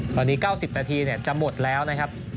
ตอนนี้๙๐นาทีจะหมดแล้วนะครับ